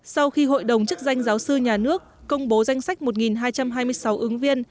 sau khi hội đồng chức danh giáo sư nhà nước công bố danh sách một hai trăm hai mươi sáu ứng viên